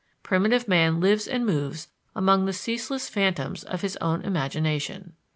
Primitive man lives and moves among the ceaseless phantoms of his own imagination.